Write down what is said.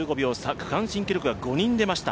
区間新記録が５人出ました。